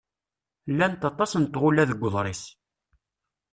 Llant aṭas n tɣula deg uḍris.